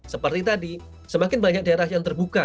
seperti tadi semakin banyak daerah yang terbuka